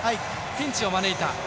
ピンチを招いた。